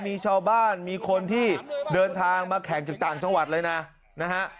มีชาวบ้านมีคนที่เดินทางมาแข่งจากต่างจังหวัดเลยนะนะฮะ